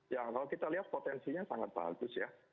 ya kalau kita lihat potensinya sangat bagus ya